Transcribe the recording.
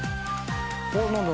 あっ何だ？